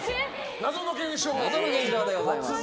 謎の現象でございます。